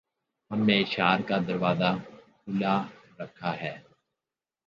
ہم نے اشعار کا دروازہ کھُلا رکھا ہے